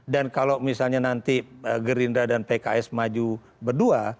dan kalau misalnya nanti gerindra dan pks maju berdua